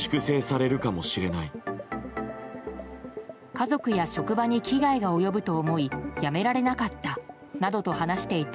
家族や職場に危害が及ぶと思いやめられなかったなどと話していて